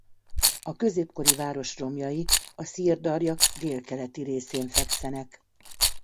A középkori város romjai a Szir-darja délkeleti részén fekszenek.